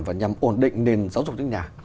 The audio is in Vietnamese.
và nhằm ổn định nền giáo dục nước nhà